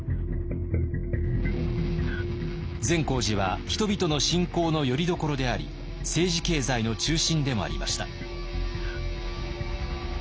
善光寺は人々の信仰のよりどころであり政治経済の中心でもありました。